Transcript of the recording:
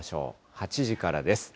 ８時からです。